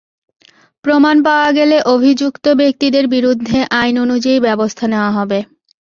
প্রমাণ পাওয়া গেলে অভিযুক্ত ব্যক্তিদের বিরুদ্ধে আইন অনুযায়ী ব্যবস্থা নেওয়া হবে।